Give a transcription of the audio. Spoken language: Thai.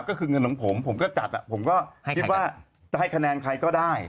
ก็คือเงินของผมผมก็จัดผมก็คิดว่าจะให้คะแนนใครก็ได้